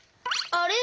あれ？